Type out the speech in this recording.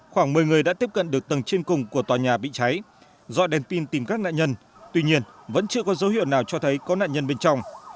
khoảng một mươi người đã tiếp cận được tầng trên cùng của tòa nhà bị cháy do đèn pin tìm các nạn nhân tuy nhiên vẫn chưa có dấu hiệu nào cho thấy có nạn nhân bên trong